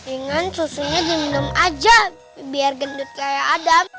ingat susunya diminum aja biar gendut kayak adam